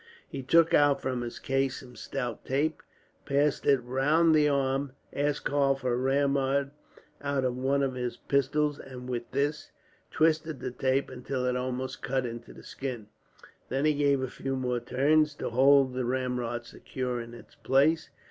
He took out from his case some stout tape, passed it round the arm, asked Karl for a ramrod out of one his pistols and, with this, twisted the tape until it almost cut into the skin. Then he gave a few more turns, to hold the ramrod securely in its place.